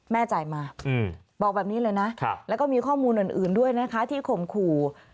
จ่ายมาบอกแบบนี้เลยนะแล้วก็มีข้อมูลอื่นด้วยนะคะที่ข่มขู่